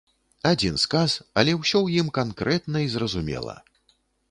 Адзін сказ, але ўсё ў ім канкрэтна і зразумела.